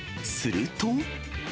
すると。